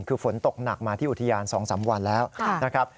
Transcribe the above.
คือฝนตกหนักมาที่อุทยาน๒๓วันแล้วนะครับ